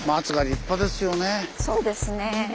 そうですね。